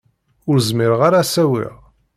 Ur zmireɣ ara ad s-awiɣ.